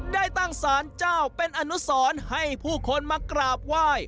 ได้ตั้งสารเจ้าเป็นอนุสรให้ผู้คนมากราบไหว้